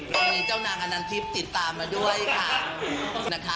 ตอนนี้เจ้านางอันนันทิพย์ติดตามมาด้วยค่ะ